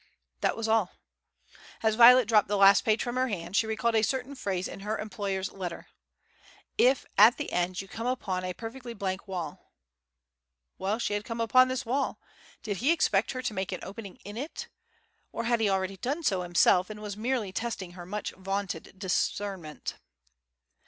That was all. As Violet dropped the last page from her hand, she recalled a certain phrase in her employer's letter. "If at the end you come upon a perfectly blank wall " Well, she had come upon this wall. Did he expect her to make an opening in it? Or had he already done so himself, and was merely testing her much vaunted discernment.